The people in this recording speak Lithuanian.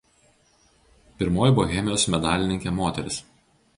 Pirmoji Bohemijos medalininkė moteris.